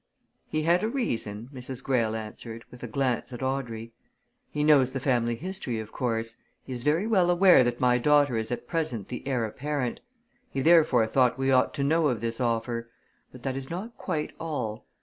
"He had a reason," Mrs. Greyle answered, with a glance at Audrey. "He knows the family history, of course he is very well aware that my daughter is at present the heir apparent. He therefore thought we ought to know of this offer. But that is not quite all.